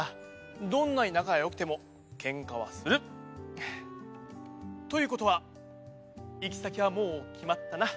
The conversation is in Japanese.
どんなになかがよくてもケンカはする！ということはいきさきはもうきまったな。